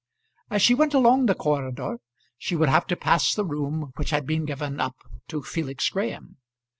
As she went along the corridor she would have to pass the room which had been given up to Felix Graham.